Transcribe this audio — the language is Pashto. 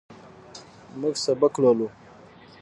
موږ سبق لولو.